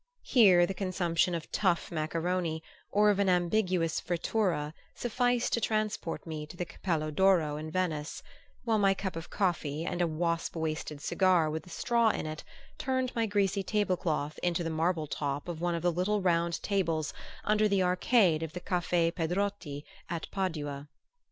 Here the consumption of tough macaroni or of an ambiguous frittura sufficed to transport me to the Cappello d'Oro in Venice, while my cup of coffee and a wasp waisted cigar with a straw in it turned my greasy table cloth into the marble top of one of the little round tables under the arcade of the Caffè Pedrotti at Padua.